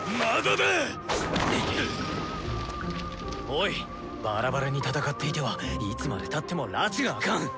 おいバラバラに戦っていてはいつまでたってもらちが明かん。